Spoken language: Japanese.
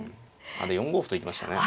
４五歩と行きましたね。